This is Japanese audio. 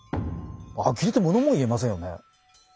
あきれてものも言えませんよね。